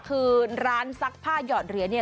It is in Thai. คือร้านซักผ้าหยอดเหลือ